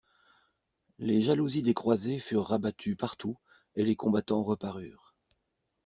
Les jalousies des croisées furent rabattues partout, et les combattants reparurent.